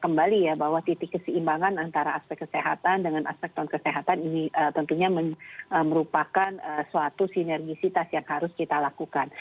kembali ya bahwa titik keseimbangan antara aspek kesehatan dengan aspek tahun kesehatan ini tentunya merupakan suatu sinergisitas yang harus kita lakukan